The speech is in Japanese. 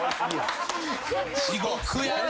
地獄やな。